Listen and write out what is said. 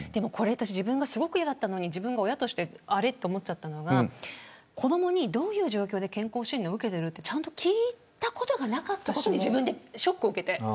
自分がすごく嫌だったのに親として、あれって思ったのは子どもにどういう状況で健康診断を受けていると聞いたことがなかったことにショックを受けて。